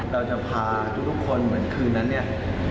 เราจะพาทุกคนเหมือนคืนนั้นเนี่ย